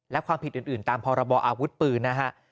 และความผิดอื่นตามพรบออาวุธปืนนะฮะ